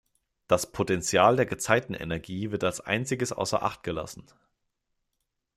Das Potenzial der Gezeitenenergie wird als Einziges außer Acht gelassen.